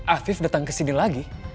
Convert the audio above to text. afif datang kesini lagi